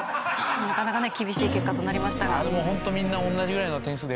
なかなか厳しい結果となりましたが。